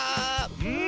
うん。